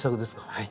はい。